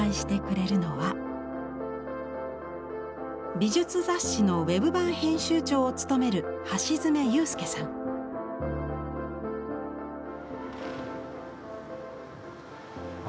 美術雑誌のウェブ版編集長を務めるあ